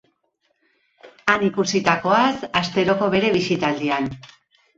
Han ikusitakoaz, asteroko bere bisitaldian.